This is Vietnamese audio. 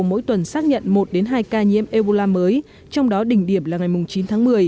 mỗi tuần xác nhận một hai ca nhiễm ebola mới trong đó đỉnh điểm là ngày chín tháng một mươi